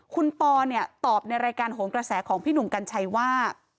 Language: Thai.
คุณปอเนี่ยตอบในรายการโหนกระแสของพี่หนุ่มกัญชัยว่า